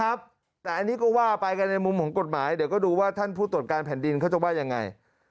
อันนี้ก็ว่าไปกันในมุมของกฎหมายเดี๋ยวก็ดูว่าท่านผู้ตรวจการแผ่นดินเขาจะว่ายังไง